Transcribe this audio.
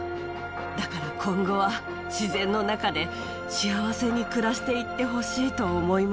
だから今後は自然の中で幸せに暮らして行ってほしいと思います。